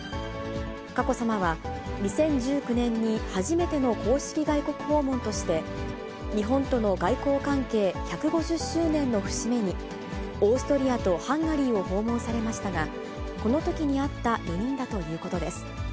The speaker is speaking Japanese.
佳子さまは、２０１９年に初めての公式外国訪問として、日本との外交関係１５０周年の節目に、オーストリアとハンガリーを訪問されましたが、このときに会った４人だということです。